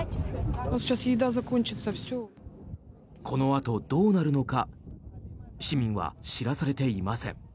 このあと、どうなるのか市民は知らされていません。